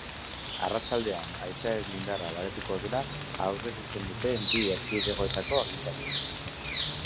Arratsaldean haizearen indarra baretuko dela aurreikusten dute bi erkidegoetako agintariek.